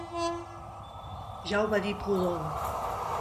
Ja ho va dir Proudhon.